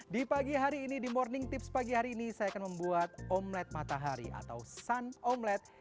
di pagi hari ini di morning tips pagi hari ini saya akan membuat omlet matahari atau sun omlet